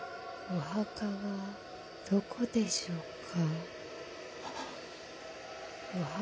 ・お墓はどこでしょうか。